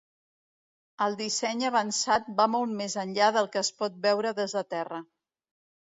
El disseny avançat va molt més enllà del que es pot veure des de terra.